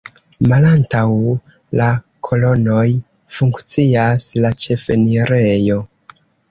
Malantaŭ la kolonoj funkcias la ĉefenirejo.